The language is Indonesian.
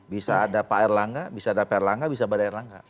bisa ada pak erlangga bisa ada pak erlangga bisa pada erlangga